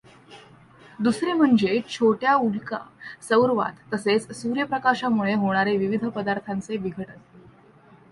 दुसरे म्हणजे छोट्या उल्का, सौरवात तसेच सूर्यप्रकाशामुळे होणारे विविध पदार्थांचे विघटन.